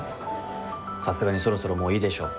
さすがにそろそろもういいでしょ。